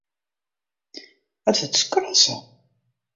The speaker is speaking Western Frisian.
It wurd skrasse.